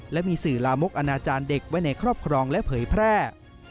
และมีสื่อลามกอนาจารย์เด็กไว้ในครอบครองและเผยแพร่